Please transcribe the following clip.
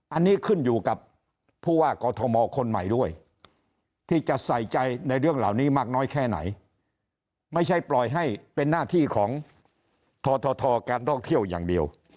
อันนี้ขึ้นอยู่กับผู้ว่ากอทมคนใหม่ด้วยที่จะใส่ใจในเรื่องเหล่านี้มากน้อยแค่ไหนไม่ใช่ปล่อยให้เป็นหน้าที่ของททการท่องเที่ยวอย่างเดียว